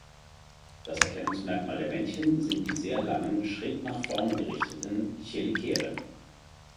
Das Erkennungsmerkmal der Männchen sind die sehr langen, schräg nach vorn gerichteten Cheliceren.